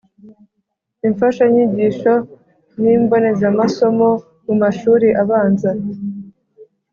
imfashanyigisho n'imbonezamasomo mu mashuri abanza;